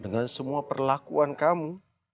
dengan semua perlakuan kamu